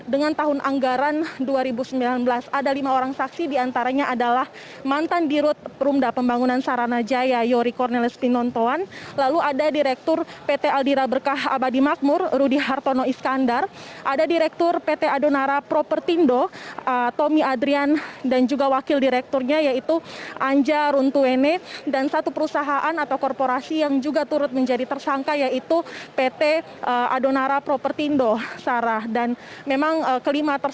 di mana kedatangan anies pada hari ini sebagai saksi untuk melengkapi berkas perkara dari tersangka yang merupakan mantan